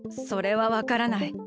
それはわからない。